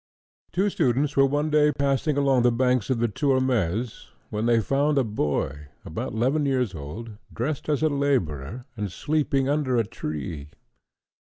Two students were one day passing along the banks of the Tormes, when they found a boy, about eleven years old, dressed as a labourer, and sleeping under a tree.